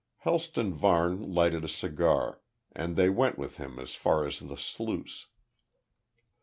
Helston Varne lighted a cigar, and they went with him as far as the sluice.